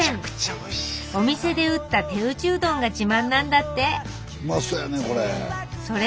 お店で打った手打ちうどんが自慢なんだってうまそうやねこれ。